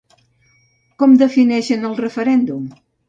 Com defineixen el referèndum?